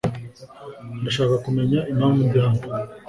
Ndashaka kumenya impamvu ndi hano .